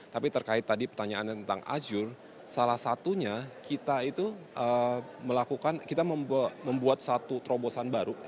tapi terkait tadi pertanyaannya tentang azur salah satunya kita itu melakukan kita membuat satu terobosan baru